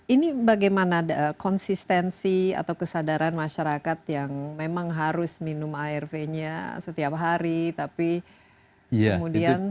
ini bagaimana konsistensi atau kesadaran masyarakat yang memang harus minum arv nya setiap hari tapi kemudian